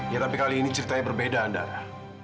ya tapi kali ini ceritanya berbeda antara